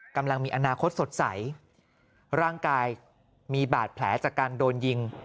กำลังมีอนาคตสดใสร่างกายมีบาดแผลจากการโดนยิง